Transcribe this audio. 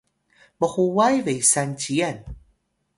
mhuway besan ciyal